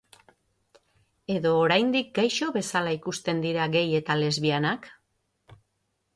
Edo oraindik gaixo bezala ikusten dira gay eta lesbianak?